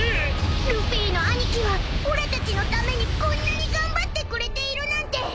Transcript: ［ルフィの兄貴はおらたちのためにこんなに頑張ってくれているなんて！］